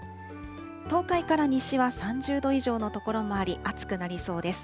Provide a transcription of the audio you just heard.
東海から西は３０度以上の所もあり、暑くなりそうです。